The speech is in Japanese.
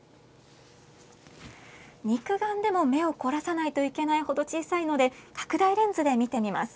肉眼でも目を凝らさないといけないほど小さいので拡大レンズで見てみます。